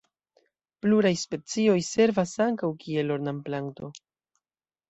Pluraj specioj servas ankaŭ kiel ornamplanto.